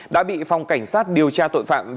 đã bị phòng cảnh sát điều tra tội phạm